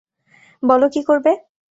বলো কী করবে?